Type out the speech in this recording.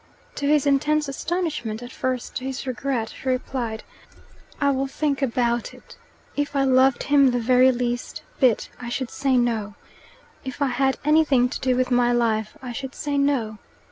To his intense astonishment at first to his regret she replied, "I will think about it. If I loved him the very least bit I should say no. If I had anything to do with my life I should say no.